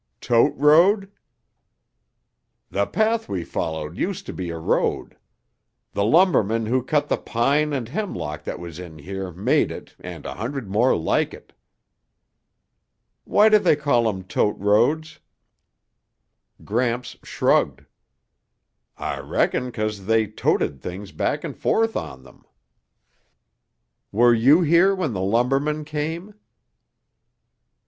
"Tote road?" "The path we followed used to be a road. The lumbermen who cut the pine and hemlock that was in here made it and a hundred more like it." "Why do they call them tote roads?" Gramps shrugged. "I reckon 'cause they toted things back and forth on them." "Were you here when the lumbermen came?"